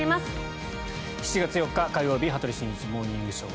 ７月４日、火曜日「羽鳥慎一モーニングショー」。